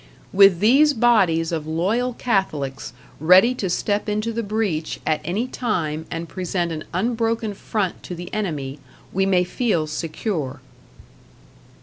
With these bodies of loyal Catholics ready to step into the breach at any time and present an unbroken front to the enemy we may feel secure.